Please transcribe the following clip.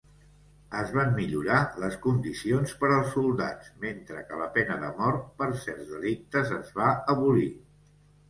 Es van millorar les condicions per als soldats, mentre que la pena de mort per certs delictes es va abolir.